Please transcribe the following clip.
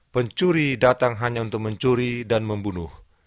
pencuri datang hanya untuk mencuri dan membunuh